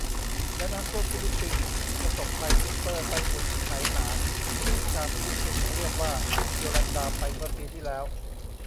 และน้ำท่วม ฟิลิปปินส์ประสบภัยซุปเปอร์ใต้ฝุ่นไหหนาน หรือชาวฟิลิปปินส์เรียกว่าโยลันดา ไปเมื่อปีที่แล้ว